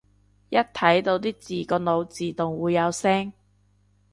一睇到啲字個腦自動會有聲